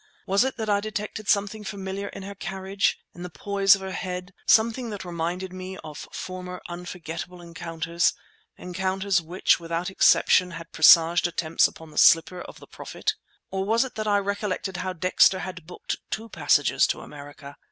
Was it that I detected something familiar in her carriage, in the poise of her head—something that reminded me of former unforgettable encounters; encounters which without exception had presaged attempts upon the slipper of the Prophet? Or was it that I recollected how Dexter had booked two passages to America?